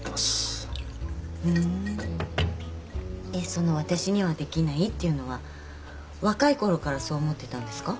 その「私にはできない」っていうのは若いころからそう思ってたんですか？